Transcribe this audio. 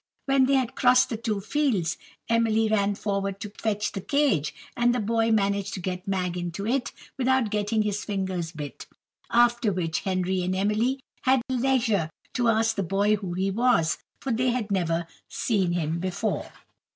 When they had crossed the two fields, Emily ran forward to fetch the cage, and the boy managed to get Mag into it without getting his fingers bit; after which Henry and Emily had leisure to ask the boy who he was, for they had never seen him before.